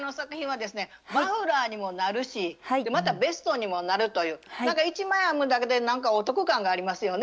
マフラーにもなるしまたベストにもなるというなんか１枚編むだけでお得感がありますよね。